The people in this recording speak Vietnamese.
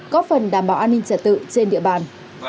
có phần đảm bảo an ninh trả tự trên địa bàn